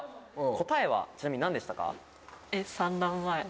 答えはちなみに何でしたか？